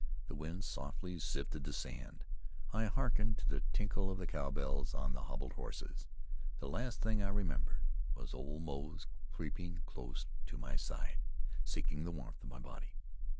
The wind softly sifted the sand. I hearkened to the tinkle of the cowbells on the hobbled horses. The last thing I remembered was old Moze creeping close to my side, seeking the warmth of my body.